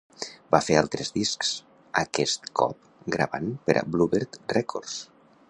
Va fer altres discs, aquest cop gravant per a la Bluebird Records.